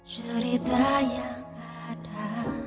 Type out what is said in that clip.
cerita yang ada